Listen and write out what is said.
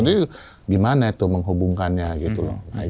jadi gimana tuh menghubungkannya gitu loh